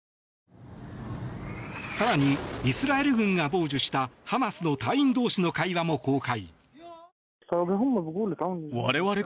更にイスラエル軍が傍受したハマスの隊員同士の会話も公開。